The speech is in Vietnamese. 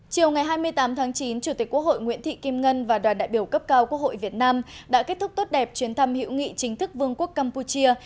chiều ngày hai mươi tám tháng chín chủ tịch quốc hội nguyễn thị kim ngân và đoàn đại biểu cấp cao quốc hội việt nam đã kết thúc tốt đẹp chuyến thăm hữu nghị chính thức vương quốc campuchia